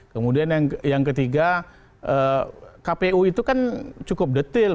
kemudian yang ketiga kpu itu kan cukup detail